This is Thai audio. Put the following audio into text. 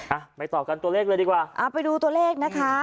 อ่ะไปต่อกันตัวเลขเลยดีกว่าอ่าไปดูตัวเลขนะคะ